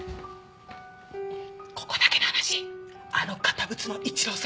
ここだけの話あの堅物の一郎さん